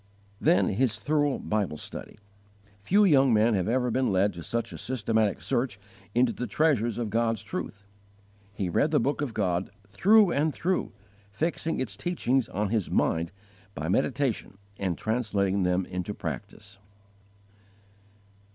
9. His thorough Bible study. Few young men have ever been led to such a systematic search into the treasures of God's truth. He read the Book of God through and through, fixing its teachings on his mind by meditation and translating them into practice.